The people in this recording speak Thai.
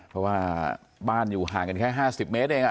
เพราะว่าบ้านอยู่ห่างกันแค่๕๐เมตรเอง